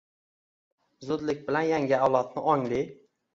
zudlik bilan yangi avlodni — ongli, '